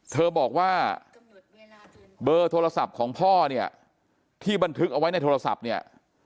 เธอบอกว่าเบอร์โทรศัพท์ของพ่อเนี่ยที่บันทึกเอาไว้ในโทรศัพท์เนี่ย